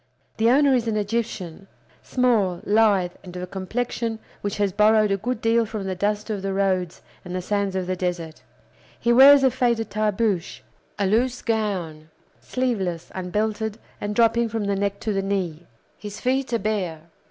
The owner is an Egyptian, small, lithe, and of a complexion which has borrowed a good deal from the dust of the roads and the sands of the desert. He wears a faded tarbooshe, a loose gown, sleeveless, unbelted, and dropping from the neck to the knee. His feet are bare.